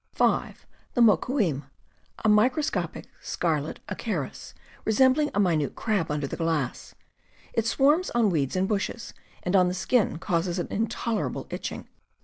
... (5) The moquim ... a microscopic scarlet acarus, re sembling a minute crab under the glass. It swarms on weeds and bushes, and on the skin causes an intolerable itching.